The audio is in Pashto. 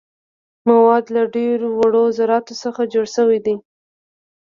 مواد له ډیرو وړو ذراتو څخه جوړ شوي دي.